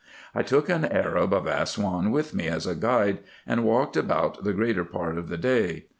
I took an Arab of Assouan with me as a guide, and walked about the greater part of the day.